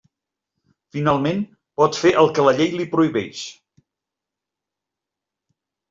Finalment, pot fer el que la llei li prohibeix.